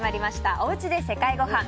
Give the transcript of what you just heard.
おうちで世界ごはん。